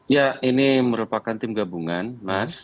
ya ini merupakan tim gabungan mas